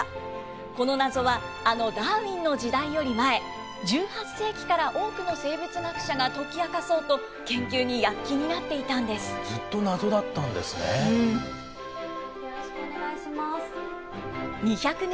この謎はあのダーウィンの時代より前、１８世紀から多くの生物学者が解き明かそうと、研究に躍起ずっと謎だったんですね。